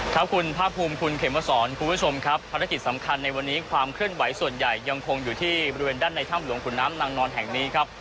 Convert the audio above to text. ครับคุณภาคภูมิคุณเขมสอนคุณผู้ชมครับภารกิจสำคัญในวันนี้ความเคลื่อนไหวส่วนใหญ่ยังคงอยู่ที่บริเวณด้านในถ้ำหลวงขุนน้ำนางนอนแห่งนี้ครับ